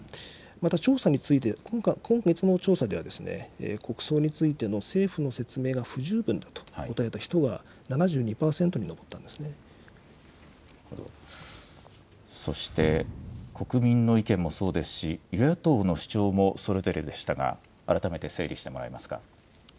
また調査について、今月の調査では、国葬についての政府の説明が不十分だと答えた人が７２％に上ったそして、国民の意見もそうですし、与野党の主張もそれぞれでしたが、改めて整理してもらえますか。